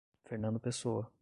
Fernando Pessoa